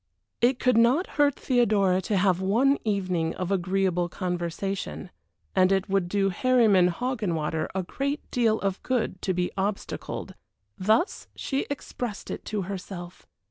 It could not hurt Theodora to have one evening of agreeable conversation, and it would do Herryman Hoggenwater a great deal of good to be obstacled; thus she expressed it to herself.